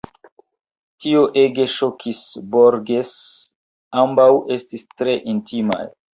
Tio ege ŝokis Borges: ambaŭ estis tre intimaj.